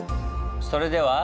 それでは。